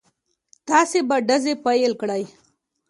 تاسې به ډزې پيل کړئ.